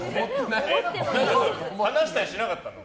話したりしなかったの？